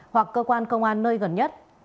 hoặc cơ quan công an nơi gần nhất